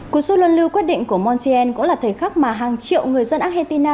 cuộc số lần lưu quyết định của montiel cũng là thời khắc mà hàng triệu người dân argentina